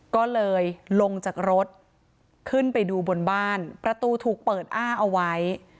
ก็เลยลงจากรถขึ้นไปดูบนบ้านประตูถูกเปิดอ้าเอาไว้